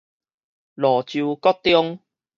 蘆洲國中